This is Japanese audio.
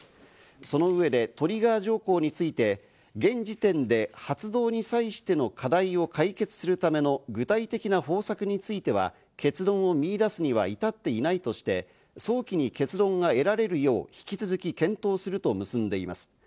その上でトリガー条項について、現時点で発動に際しての課題を解決するための具体的な方策については結論を見いだすには至っていないとして、早期に結論が得られるよう引き続き検討すると結んでいます。